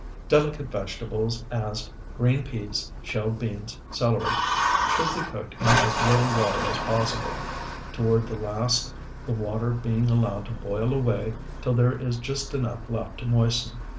Delicate vegetables, as green peas, shelled beans, celery, etc., should be cooked in as little water as possible, toward the last the water being allowed to boil away till there is just enough left to moisten.